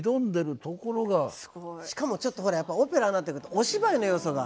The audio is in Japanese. しかもちょっとほらオペラになってくるとお芝居の要素が。